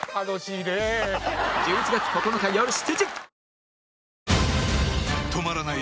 １１月９日よる７時！